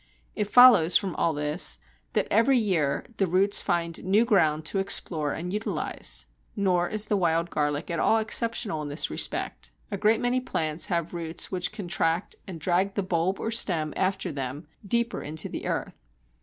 It follows from all this, that every year the roots find new ground to explore and utilize. Nor is the Wild Garlic at all exceptional in this respect. A great many plants have roots which contract and drag the bulb or stem after them deeper into the earth.